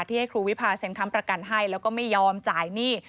ให้ครูวิพาเซ็นค้ำประกันให้แล้วก็ไม่ยอมจ่ายหนี้